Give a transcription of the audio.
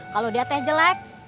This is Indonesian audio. kalau dia teh jelek